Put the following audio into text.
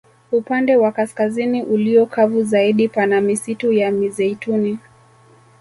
Upande wa kaskazini ulio kavu zaidi pana misitu ya mizeituni